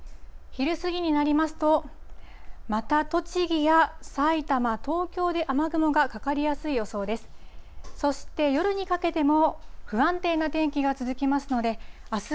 昼過ぎになりますと、また栃木や埼玉、東京で雨雲がかかりやすい予想です。